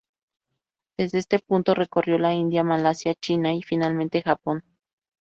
Desde este punto recorrió la India, Malasia, China y finalmente Japón.